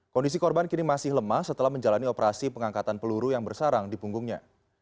kondisi korban kini masih lemah setelah menjalani operasi pengangkatan peluru yang bersarang di punggungnya